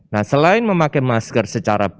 nah selain memakai masker secara